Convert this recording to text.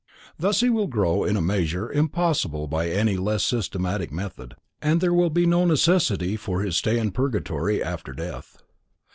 Thus he will grow in a measure impossible by any less systematic method, and there will be no necessity for his stay in purgatory after death.